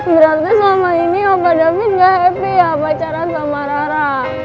berarti selama ini opa david gak happy ya pacaran sama rara